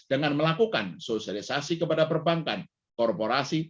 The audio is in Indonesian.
dengan melakukan sosialisasi kepada perbankan korporasi